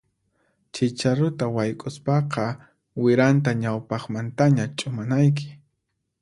Chicharuta wayk'uspaqa wiranta ñawpaqmantaña ch'umanayki.